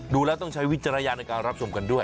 ดูแล้วต้องใช้วิจารณญาณในการรับชมกันด้วย